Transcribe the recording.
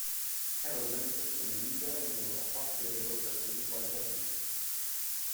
È l'organizzazione leader in Europa per le valutazioni qualitative.